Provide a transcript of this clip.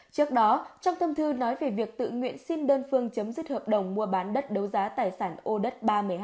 trước đó trong tâm thư nói về việc tự nguyện xin đơn phương chấm dứt hợp đồng mua bán đất đấu giá tài sản ô đất ba mươi hai